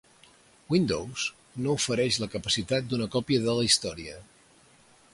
Windows no ofereix la capacitat d'una còpia de l'història.